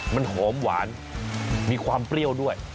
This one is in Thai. มันหอมหวานมีความเปรี้ยวด้วย